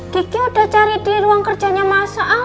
kiki udah cari di ruang kerjanya mas